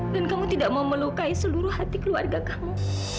dan kamu tidak mau melukai seluruh hati keluarga kamu